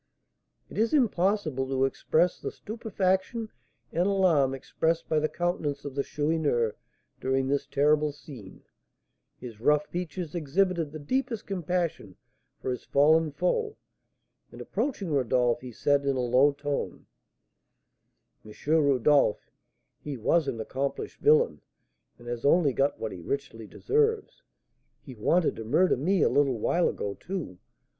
It is impossible to express the stupefaction and alarm expressed by the countenance of the Chourineur during this terrible scene. His rough features exhibited the deepest compassion for his fallen foe, and approaching Rodolph, he said, in a low tone: "M. Rodolph, he was an accomplished villain, and has only got what he richly deserves; he wanted to murder me a little while ago, too.